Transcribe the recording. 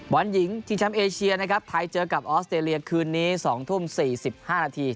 บอลหญิงชิงแชมป์เอเชียนะครับไทยเจอกับออสเตรเลียคืนนี้๒ทุ่ม๔๕นาที